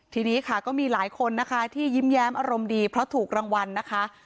ทีนี้ค่ะก็มีหลายคนนะคะที่ยิ้มแย้มอารมณ์ดีเพราะถูกรางวัลนะคะ